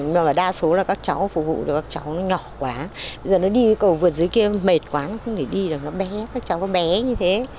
mà đa số là các cháu phục vụ các cháu nó nhỏ quá bây giờ nó đi cầu vượt dưới kia mệt quá nó không thể đi được nó bé các cháu nó bé như thế